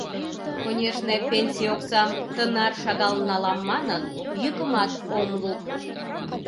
Конешне, пенсий оксам тынар шагал налам манын, йӱкымат ом лук.